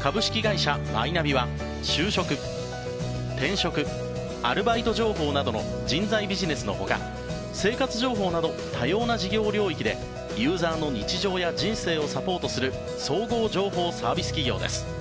株式会社マイナビは就職、転職アルバイト情報などの人材ビジネスのほか生活情報など多様な事業領域でユーザーの日常や人生をサポートする総合情報サービス企業です。